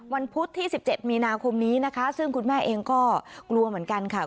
พุธที่๑๗มีนาคมนี้นะคะซึ่งคุณแม่เองก็กลัวเหมือนกันค่ะ